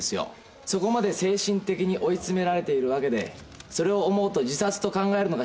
そこまで精神的に追い詰められているわけでそれを思うと自殺と考えるのが自然じゃないかなあ。